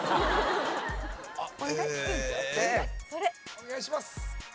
お願いします。